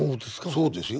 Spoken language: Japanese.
そうですよ。